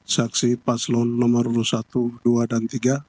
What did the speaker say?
saksi paslon nomor urut satu dua dan tiga